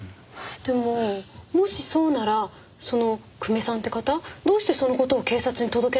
でももしそうならその久米さんって方どうしてその事を警察に届けないんでしょう？